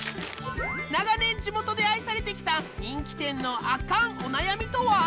長年地元で愛されてきた人気店のアカンお悩みとは？